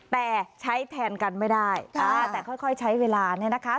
แต่ใช้แทนกันไม่ได้แต่ค่อยใช้เวลาเนี่ยนะคะ